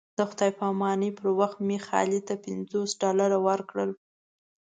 د خدای په امانۍ پر وخت مې خالد ته پنځوس ډالره ورکړل.